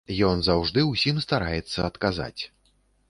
Ён заўжды ўсім стараецца адказаць.